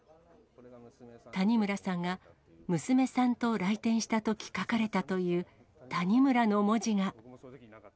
谷村さんが娘さんと来店したとき書かれたという谷村の文字が。